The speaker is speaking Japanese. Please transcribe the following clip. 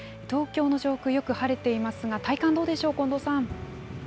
東京の上空、よく晴れていますが、体感どうでしょう、近藤さん。